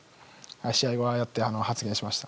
試合後、ああやって発言しました。